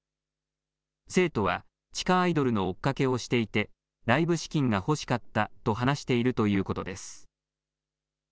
生徒は地下アイドルの追っかけをしていてライブ資金が欲しかったと話しているということです。